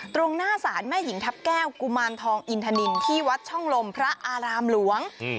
ตรงหน้าศาลแม่หญิงทัพแก้วกุมารทองอินทนินที่วัดช่องลมพระอารามหลวง